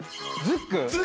ズック！